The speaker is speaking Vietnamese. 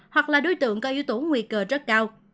hoặc là đối tượng có yếu tố nguy cơ rất cao